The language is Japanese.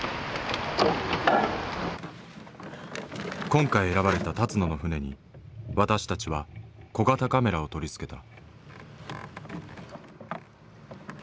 今回選ばれた立野の船に私たちは小型カメラを取り付けた。